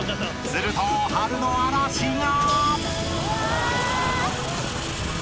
［すると春の嵐が］